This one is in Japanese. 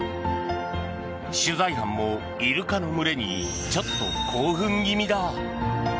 取材班もイルカの群れにちょっと興奮気味だ。